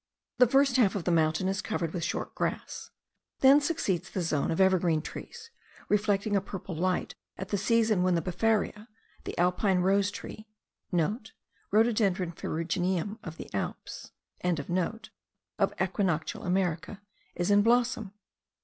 The first half of the mountain is covered with short grass; then succeeds the zone of evergreen trees, reflecting a purple light at the season when the befaria, the alpine rose tree* (* Rhododendron ferrugineum of the Alps.) of equinoctial America, is in blossom.